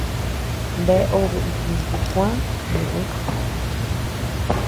Bea obe itintu kuä ñeʼë.